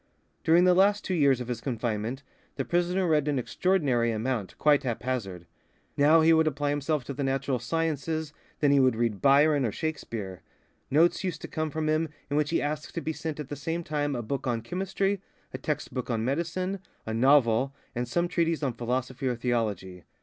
During the last two years of his confinement the prisoner read an extraordinary amount, quite haphazard. Now he would apply himself to the natural sciences, then he would read Byron or Shakespeare. Notes used to come from him in which he asked to be sent at the same time a book on chemistry, a text book of medicine, a novel, and some treatise on philosophy or theology.